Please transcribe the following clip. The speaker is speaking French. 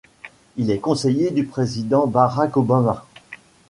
Il est conseiller du président Barack Obama.